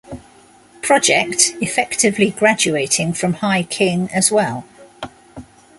Project, effectively graduating from High-King as well.